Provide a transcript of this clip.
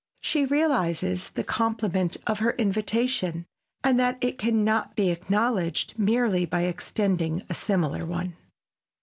She realizes the compliment of her invitation and that it can not be acknowledged merely by extending a similar one.